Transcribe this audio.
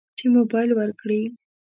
چې موبایل ورکړي.